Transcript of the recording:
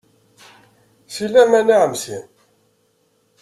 Filaman a Ɛemti.